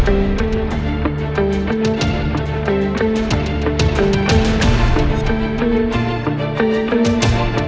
aku kaget karena benar benar tak ada seseorang yang punya pulang